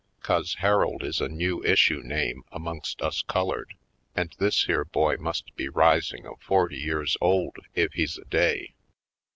'Cause Harold is a new issue name amongst us colored, and this here boy must be rising of forty years old, if he's a day.